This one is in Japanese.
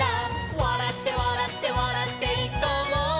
「わらってわらってわらっていこうよ」